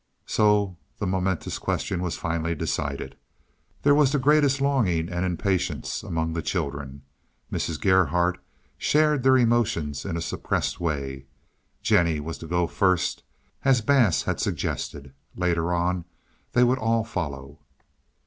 So the momentous question was finally decided. There was the greatest longing and impatience among the children, and Mrs. Gerhardt shared their emotions in a suppressed way. Jennie was to go first, as Bass had suggested; later on they would all follow.